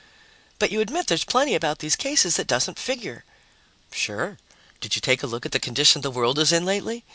"But you admit there's plenty about these cases that doesn't figure?" "Sure. Did you take a look at the condition the world is in lately?